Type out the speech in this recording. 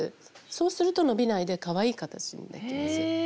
そうすると伸びないでかわいい形にできます。